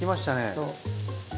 そう。